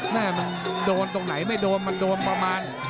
แม่มันโดนตรงไหนไม่โดนมันโดนประมาณ